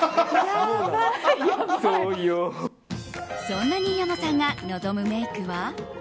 そんな新山さんが望むメイクは。